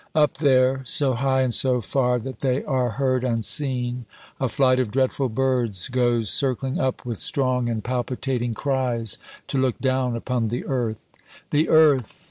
Up there so high and so far that they are heard unseen a flight of dreadful birds goes circling up with strong and palpitating cries to look down upon the earth. The earth!